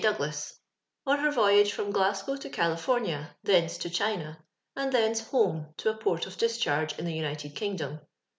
I>oiigla«» on her voyage from Olatgow to Caiifomia, theuce to China, and thence home to a port of dis charge in the United Kingdom.